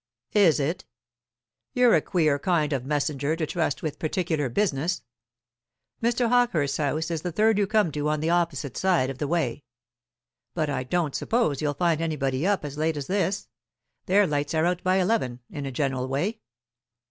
"Is it? You're a queer kind of messenger to trust with particular business. Mr. Hawkehurst's house is the third you come to on the opposite side of the way. But I don't suppose you'll find anybody up as late as this. Their lights are out by eleven, in a general way."